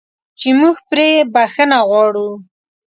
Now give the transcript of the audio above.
چې موږ پرې بخښنه غواړو.